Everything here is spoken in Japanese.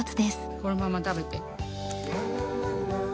このまま食べて。